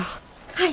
はい。